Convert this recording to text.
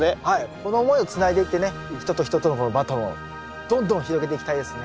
この思いをつないでいってね人と人とのバトンをどんどん広げていきたいですね。